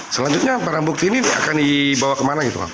selanjutnya para bukti ini akan dibawa kemana gitu